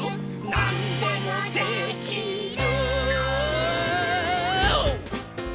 「なんでもできる！！！」